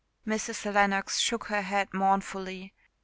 Mrs. Lennox shook her head mournfully.